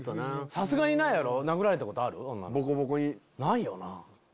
さすがにないやろ？